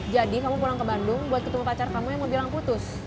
jadi kamu pulang ke bandung buat ketemu pacar kamu yang mau bilang putus